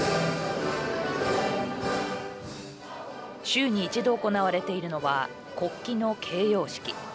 週に一度行われているのは国旗の掲揚式。